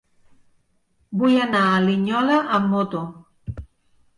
Vull anar a Linyola amb moto.